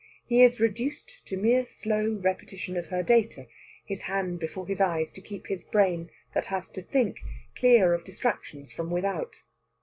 He is reduced to mere slow repetition of her data; his hand before his eyes to keep his brain, that has to think, clear of distractions from without.